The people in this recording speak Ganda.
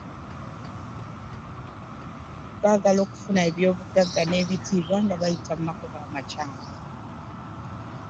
Baagala okufuna eby'obugagga n'ebitiibwa nga bayita mu makubo amakyamu.